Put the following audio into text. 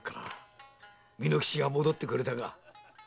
巳之吉が戻ってくれたか。